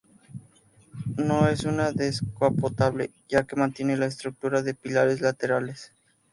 No es un descapotable, ya que mantiene la estructura de pilares laterales.